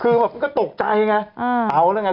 คือแบบก็ตกใจไงเอาหรือไง